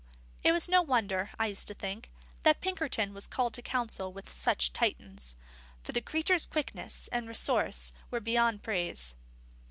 It was no wonder, I used to think, that Pinkerton was called to council with such Titans; for the creature's quickness and resource were beyond praise.